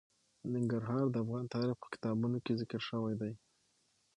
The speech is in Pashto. ننګرهار د افغان تاریخ په کتابونو کې ذکر شوی دي.